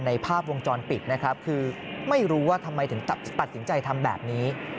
ภาพวงจรปิดนะครับคือไม่รู้ว่าทำไมถึงตัดสินใจทำแบบนี้